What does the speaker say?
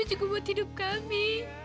cukup buat hidup kami